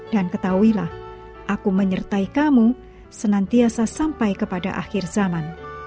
ketahuilah aku menyertai kamu senantiasa sampai kepada akhir zaman